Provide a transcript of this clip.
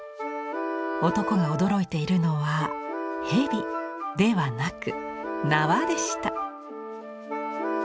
男が驚いているのは蛇ではなく縄でした。